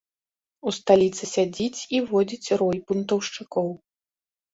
У сталіцы сядзіць і водзіць рой бунтаўшчыкоў.